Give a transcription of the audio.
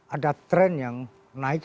ada tren yang naik